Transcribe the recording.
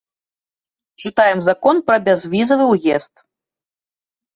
Чытаем закон пра бязвізавы ўезд.